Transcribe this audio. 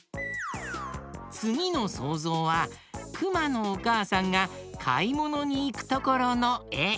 つぎのそうぞうはくまのおかあさんがかいものにいくところのえ。